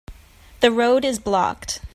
The road is blocked.